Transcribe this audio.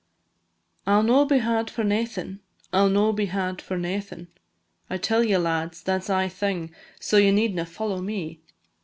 "_ I 'll no be had for naething, I 'll no be had for naething, I tell ye, lads, that 's ae thing, So ye needna follow me.